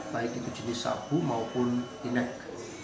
baik itu jenis sabu maupun inek